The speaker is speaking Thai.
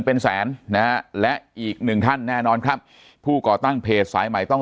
เป็นแสนนะฮะและอีกหนึ่งท่านแน่นอนครับผู้ก่อตั้งเพจสายใหม่ต้อง